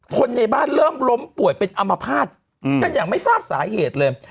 คนในบ้านเริ่มล้มป่วยเป็นอมภาษณ์กันอย่างไม่ทราบสาเหตุเลย